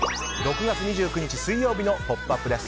６月２９日、水曜日の「ポップＵＰ！」です。